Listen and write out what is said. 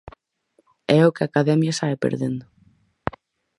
É o que a Academia sae perdendo.